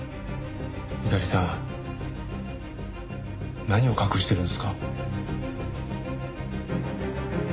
猪狩さん何を隠してるんですか？